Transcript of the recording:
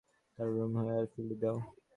তার রুম হয়ে এয়ারফিল্ডে পৌছে দিও।